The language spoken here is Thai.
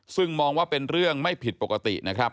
ซึ่งมองว่าเป็นเรื่องไม่ผิดปกตินะครับ